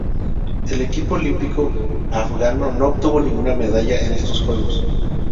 El equipo olímpico afgano no obtuvo ninguna medalla en estos Juegos.